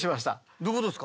どういうことですか？